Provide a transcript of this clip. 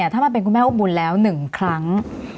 ถ้ามันเป็นคุณแม่อบบุญแล้ว๑ครั้ง